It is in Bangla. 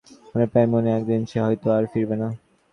আমার প্রায়ই মনে হয়, একদিন সে হয়তো আর ফিরবে না।